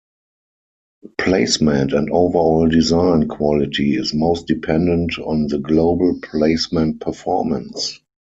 Placement and overall design quality is most dependent on the global placement performance.